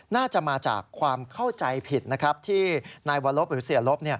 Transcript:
น่าจะมาจากความเข้าใจผิดนะครับที่นายวรบหรือเสียลบ